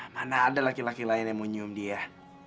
mana ada laki laki lain yang mau nyium dia